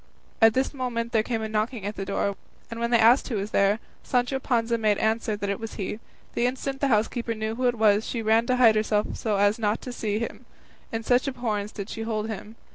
At this moment there came a knocking at the door, and when they asked who was there, Sancho Panza made answer that it was he. The instant the housekeeper knew who it was, she ran to hide herself so as not to see him; in such abhorrence did she hold him.